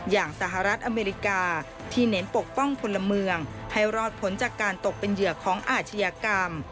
สหรัฐอเมริกาที่เน้นปกป้องพลเมืองให้รอดผลจากการตกเป็นเหยื่อของอาชญากรรม